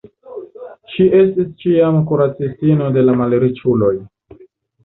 Ŝi estis ĉiam kuracistino de la malriĉuloj.